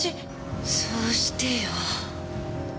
そうしてよ。